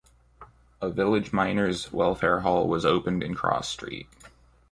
A village Miners' Welfare Hall was opened in Cross Street.